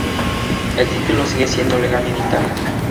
El título sigue siendo legal en Italia.